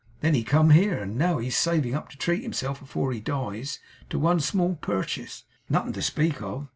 Then he come here. And now he's a saving up to treat himself, afore he dies, to one small purchase it's nothing to speak of.